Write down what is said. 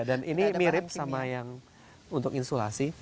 dan ini mirip sama yang untuk insulasi